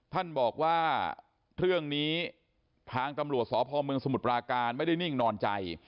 ท่านบอกว่าเรื่องนี้ทางกำลัวกาสฟศปราการมาได้นิ่งนอนใจ